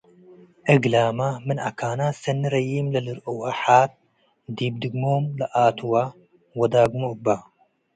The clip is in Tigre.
እግላመ ምን አካናት ሰኒ ረዩም ለልርእወ ሓ-ት ዲብ ድግሞም ለኣትወ ወዳግሞ እባ።